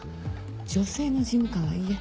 女性の事務官は嫌？